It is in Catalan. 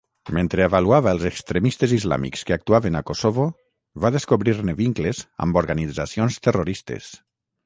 Mentre avaluava els extremistes islàmics que actuaven a Kosovo, va descobrir-ne vincles amb organitzacions terroristes.